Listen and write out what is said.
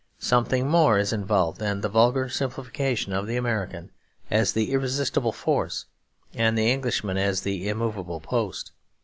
Something more is involved than the vulgar simplification of the American as the irresistible force and the Englishman as the immovable post.